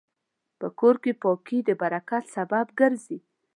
په کور کې پاکي د برکت سبب ګرځي.